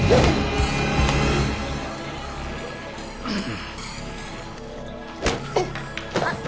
あっ！